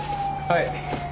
はい。